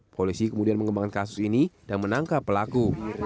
polisi kemudian mengembangkan kasus ini dan menangkap pelaku